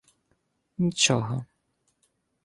— Нічого.